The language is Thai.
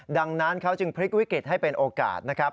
ดังนั้นเขาจึงพลิกวิกฤตให้เป็นโอกาสนะครับ